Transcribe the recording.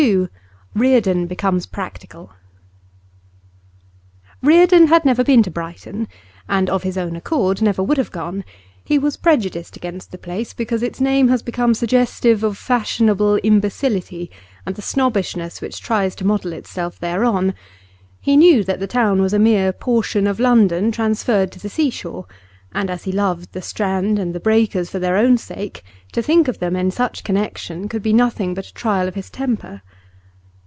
REARDON BECOMES PRACTICAL Reardon had never been to Brighton, and of his own accord never would have gone; he was prejudiced against the place because its name has become suggestive of fashionable imbecility and the snobbishness which tries to model itself thereon; he knew that the town was a mere portion of London transferred to the sea shore, and as he loved the strand and the breakers for their own sake, to think of them in such connection could be nothing but a trial of his temper.